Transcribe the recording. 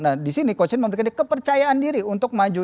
nah di sini coach ini memberikan kepercayaan diri untuk maju